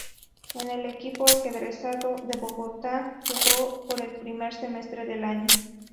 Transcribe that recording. En el equipo "Ajedrezado" de Bogotá, jugó por el primer semestre del año.